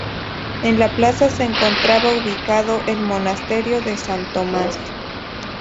En la plaza se encontraba ubicado el monasterio de San Tomás.